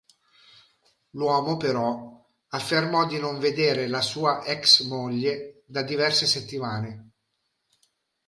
L'uomo però affermò di non vedere la sua ex moglie da diverse settimane.